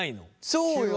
そうよね。